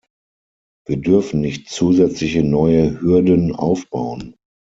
Wir dürfen nicht zusätzliche neue Hürden aufbauen.